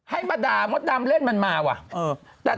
ให้มาด่าม่ดดำเล่นมันมาเพราะว่ะเออ